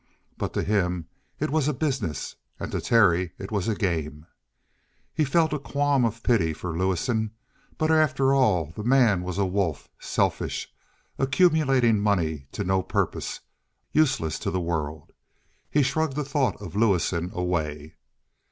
But to him it was a business, and to Terry it was a game. He felt a qualm of pity for Lewison but, after all, the man was a wolf, selfish, accumulating money to no purpose, useless to the world. He shrugged the thought of Lewison away.